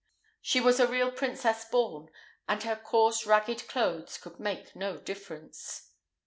She was a real princess born, and her coarse, ragged clothes could make no difference.